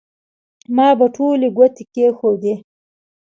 ما به ټولې ګوتې کېښودې.